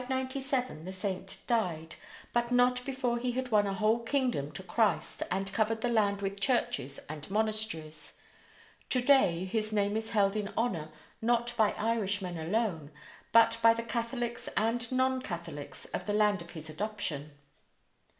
In 597 the saint died, but not before he had won a whole kingdom to Christ and covered the land with churches and monasteries. Today his name is held in honor not by Irishmen alone, but by the Catholics and non Catholics of the land of his adoption.